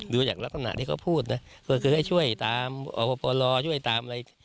ดูจากลักษณะที่เขาพูดนะก็คือให้ช่วยตามอบลช่วยตามอะไร